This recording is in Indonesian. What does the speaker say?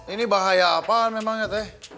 ini bahaya apa memangnya teh